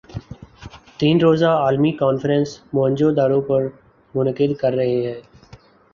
تین روزہ عالمی کانفرنس موئن جو دڑو پر منعقد کررہے ہیں